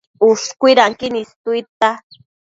Ushcuidanquin istuidtia